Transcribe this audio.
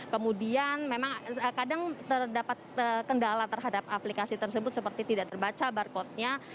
kemudian memang terkadang terdapat kendala terhadap aplikasi tersebut seperti tidak terbaca barcodenya